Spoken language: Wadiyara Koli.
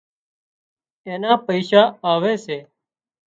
اين نا پئيشا آوي سي